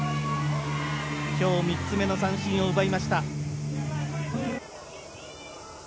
今日３つ目の三振を奪いました。